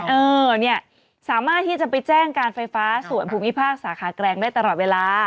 เออเนี่ยสามารถที่จะไปแจ้งการไฟฟ้าส่วนภูมิภาคสาขาแกรงได้ตลอดเวลา